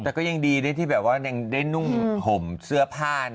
แต่ก็ยังดีนะที่แบบว่ายังได้นุ่งห่มเสื้อผ้า